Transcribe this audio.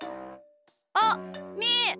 あっみー！